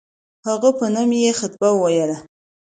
هغه په نوم یې خطبه وویل.